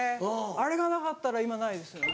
あれがなかったら今ないです。